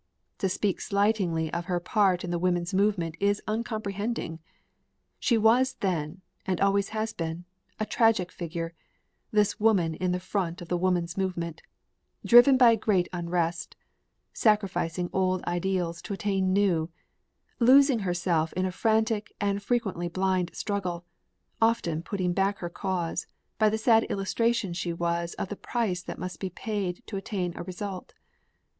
To speak slightingly of her part in the women's movement is uncomprehending. She was then, and always has been, a tragic figure, this woman in the front of the woman's movement driven by a great unrest, sacrificing old ideals to attain new, losing herself in a frantic and frequently blind struggle, often putting back her cause by the sad illustration she was of the price that must be paid to attain a result.